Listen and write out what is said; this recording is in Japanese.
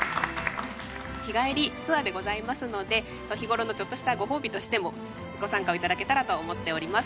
日帰りツアーでございますので日頃のちょっとしたご褒美としてもご参加をいただけたらと思っております。